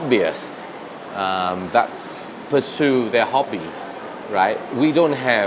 chúng ta không có một cơ hội